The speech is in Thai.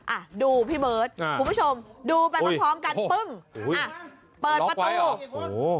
อ่ะดูพี่เบิ้ดผมขอชมดูเป็นพร้อมกันเปิดประตู